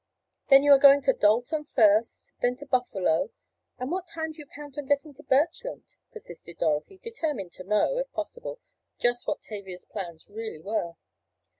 "Then you are going to Dalton first, then to Buffalo, and what time do you count on getting to Birchland?" persisted Dorothy, determined to know, if possible, just what Tavia's plans really were.